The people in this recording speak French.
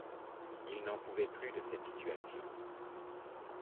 Il n’en pouvait plus de cette situation.